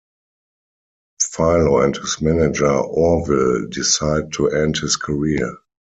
Philo and his manager Orville decide to end his career.